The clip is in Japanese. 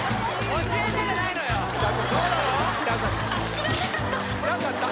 知らなかった！